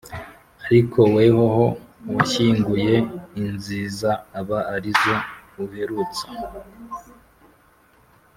ariko wehoho washyinguye inziza aba ari zo uherutsa.”